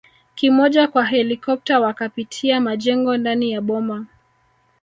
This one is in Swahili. kimoja kwa helikopta wakapitia majengo ndani ya boma